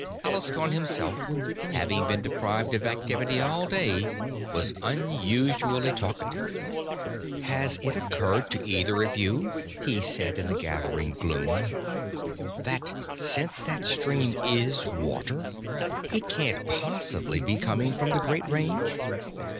Alaskon himself, having been deprived of activity all day, was unusually talkative. "Has it occurred to either of you," he said in the gathering gloom, "that since that stream is water, it can't possibly be coming from the Great Range?